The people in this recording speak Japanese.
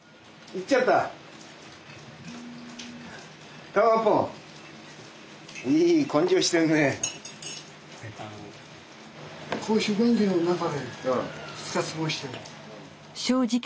いっちゃったか。